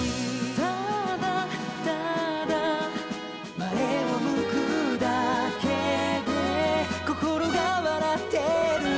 「ただ、ただ」「前を向くだけで心が笑ってる」